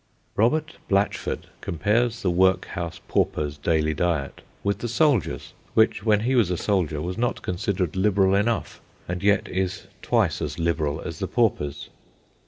Robert Blatchford compares the workhouse pauper's daily diet with the soldier's, which, when he was a soldier, was not considered liberal enough, and yet is twice as liberal as the pauper's.